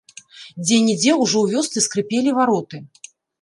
Дзе-нідзе ўжо ў вёсцы скрыпелі вароты.